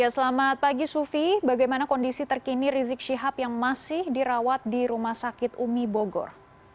selamat pagi sufi bagaimana kondisi terkini rizik syihab yang masih dirawat di rumah sakit umi bogor